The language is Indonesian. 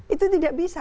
itu tidak bisa